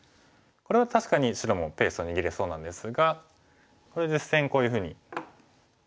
これは確かに白もペースを握れそうなんですがこれ実戦こういうふうにかわしたのが。